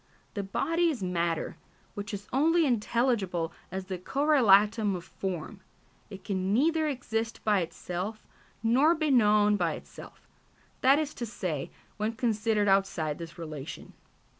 The body is matter which is only intelligible as the correlatum of form; it can neither exist by itself nor be known by itself that is to say, when considered outside this relation.